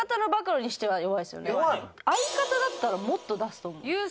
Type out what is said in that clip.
相方だったらもっと出すと思う。